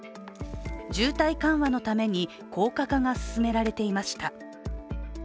渋滞緩和のために高架化が進められていました。